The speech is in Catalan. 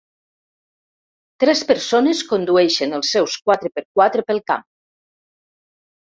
Tres persones condueixen els seus quatre per quatre pel camp.